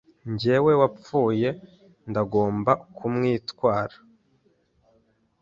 Njyewe wapfuye ndagomba kumwitwara